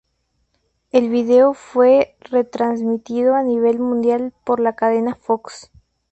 El vídeo fue retransmitido a nivel mundial por la cadena Fox.